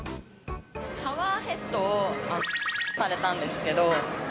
シャワーヘッドを×××されたんですけど。